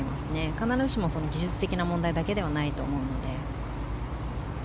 必ずしも技術的な問題だけではないと思うので。